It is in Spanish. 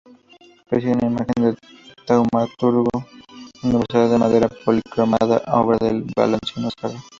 Preside una imagen del Taumaturgo universal en madera policromada, obra del valenciano Serra.